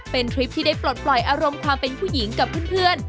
เป็นทริปที่ได้ปลดปล่อยอารมณ์ความเป็นผู้หญิงกับเพื่อน